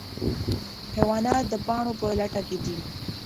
حیوانات د پاڼو په لټه کې دي.